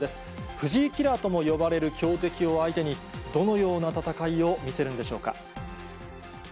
藤井キラーとも呼ばれる強敵を相手に、どのような戦いを見せるんでしょうか。